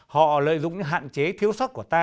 họ lợi dụng hạn chế thiếu sóc của ta